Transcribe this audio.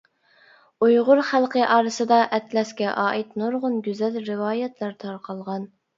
ئۇيغۇر خەلقى ئارىسىدا ئەتلەسكە ئائىت نۇرغۇن گۈزەل رىۋايەتلەر تارقالغان.